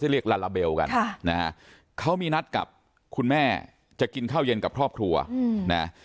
เรียกลาลาเบลกันนะฮะเขามีนัดกับคุณแม่จะกินข้าวเย็นกับครอบครัวนะ